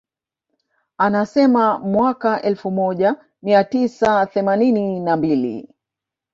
Anasema mwaka elfu moja mia tisa themanini na mbili